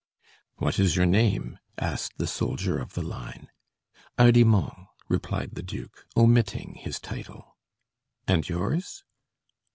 "What is your name?" asked the soldier of the line. "Hardimont," replied the duke, omitting his title. "And yours?"